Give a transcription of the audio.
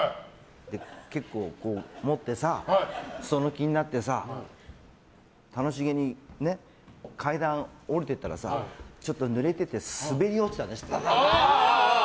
結構、持ってさその気になってさ楽しげに階段を下りてったらさちょっとぬれてて滑り落ちちゃって。